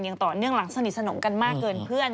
อย่างต่อเนื่องหลังสนิทสนมกันมากเกินเพื่อน